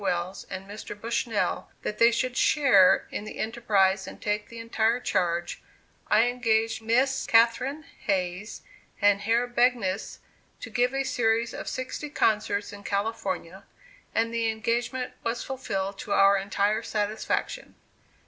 Wells and Mr. Bushnell that they should share in the enterprise and take the entire charge, I engaged Miss Catherine Hayes and Herr Begnis to give a series of sixty concerts in California, and the engagement was fulfilled to our entire satisfaction.